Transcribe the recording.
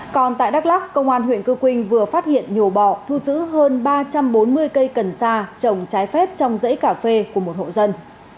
còn tại đắk lắc công an huyện cư quynh vừa phát hiện nhổ bọ thu giữ hơn ba trăm bốn mươi cây cần sa trồng trái phép trong dãy cà phê của một hộ dân